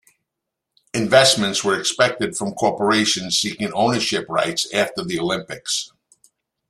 Investments were expected from corporations seeking ownership rights after the Olympics.